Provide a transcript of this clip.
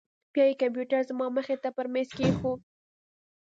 بيا يې کمپيوټر زما مخې ته پر ميز کښېښوو.